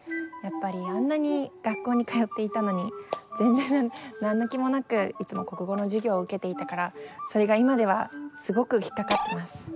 やっぱりあんなに学校に通っていたのに全然何の気もなくいつも国語の授業を受けていたからそれが今ではすごく引っかかってます。